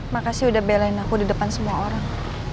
makasih udah belain aku di depan semua orang